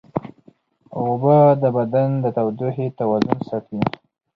اوبه د بدن د تودوخې توازن ساتي